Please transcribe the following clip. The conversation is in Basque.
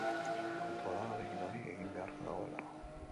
Kontua da ahalegin hori egin beharra dagoela.